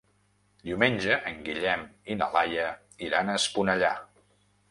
Diumenge en Guillem i na Laia iran a Esponellà.